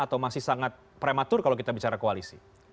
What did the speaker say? atau masih sangat prematur kalau kita bicara koalisi